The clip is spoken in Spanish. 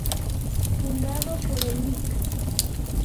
Fundado por el Lic.